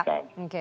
terlantar ya oke